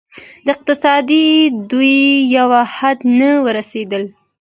د اقتصادي ودې یو حد ته ورسېدل.